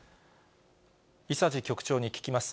伊佐治局長に聞きます。